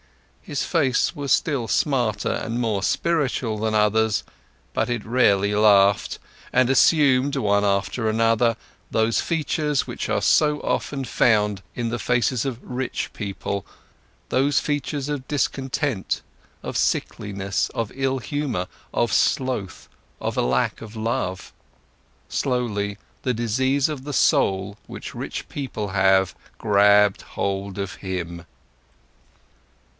His face was still smarter and more spiritual than others, but it rarely laughed, and assumed, one after another, those features which are so often found in the faces of rich people, those features of discontent, of sickliness, of ill humour, of sloth, of a lack of love. Slowly the disease of the soul, which rich people have, grabbed hold of him.